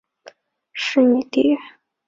元世祖至元元年改为中都路大兴府。